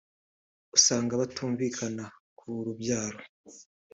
usanga batumvikana ku rubyaro